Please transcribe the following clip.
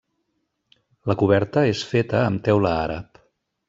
La coberta és feta amb teula àrab.